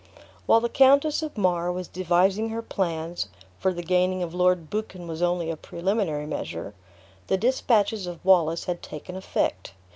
While the Countess of Mar was devising her plans (for the gaining of Lord Buchan was only a preliminary measure), the dispatches of Wallace had taken effect.